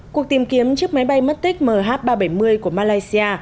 cuộc tìm kiếm chiếc máy bay matic mh ba trăm bảy mươi của malaysia